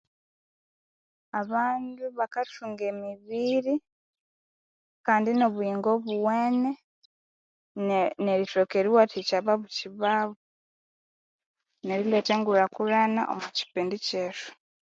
Abandu bakathunga emibiri kandi nobuyingo obuwene ne nerithoka eriwathikya ababuthi babo neriletha engulhakulhana omu kyipindi kyethu